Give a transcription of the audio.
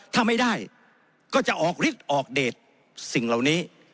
ถ้าไม่ได้ก็จะออกฤทธิ์ออกเดทสิ่งเหล่านี้